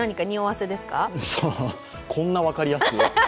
さあこんな分かりやすく？